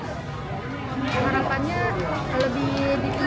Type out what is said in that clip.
harapannya lebih dikit